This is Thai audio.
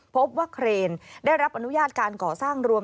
เครนได้รับอนุญาตการก่อสร้างรวม